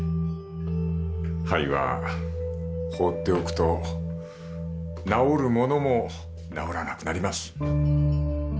肺は放っておくと治るものも治らなくなります